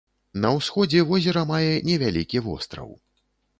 На ўсходзе возера мае невялікі востраў.